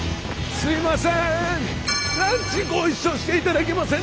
すいません！